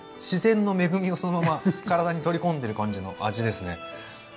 自然の恵みをそのまま体に取り込んでる感じの味ですね。